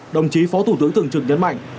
đồng chí phó thủ tướng thường trực nhấn mạnh